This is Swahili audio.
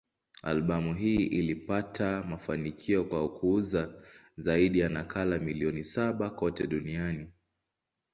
Albamu hii ilipata mafanikio kwa kuuza zaidi ya nakala milioni saba kote duniani.